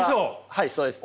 はいそうです。